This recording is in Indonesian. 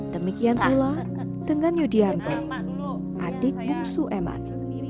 demikian pula dengan yudianto adik bungsu eman